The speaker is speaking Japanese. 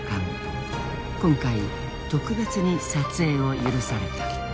今回特別に撮影を許された。